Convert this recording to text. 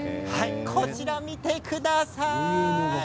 こちらを見てください。